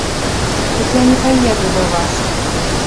Дык я і не паеду да вас.